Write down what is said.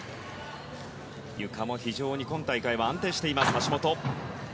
ゆかも非常に今大会は安定している橋本。